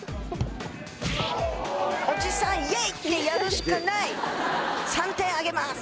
おじさんイエイ！ってやるしかない３点あげます